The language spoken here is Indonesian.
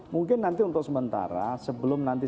mungkin nanti untuk sementara sebelum nanti